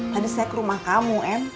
tadi saya ke rumah kamu kan